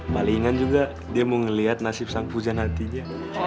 malingan juga dia mau ngeliat nasib sang pujan hatinya